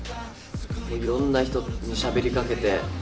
いろんな人にしゃべりかけて。